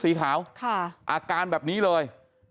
สีขาวอาการแบบนี้เลย